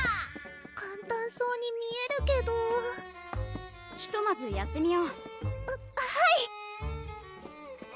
簡単そうに見えるけどひとまずやってみようははい！